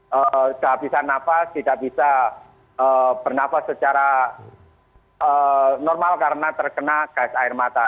tidak habisan nafas tidak bisa bernafas secara normal karena terkena gas air mata